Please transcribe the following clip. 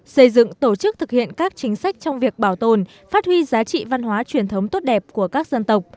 xây dựng tổ chức thực hiện các chính sách trong việc bảo tồn phát huy giá trị văn hóa truyền thống tốt đẹp của các dân tộc